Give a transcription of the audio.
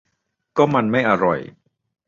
ก็มันไม่อร่อย